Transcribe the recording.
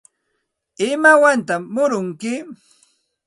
¿Imawantaq murunki?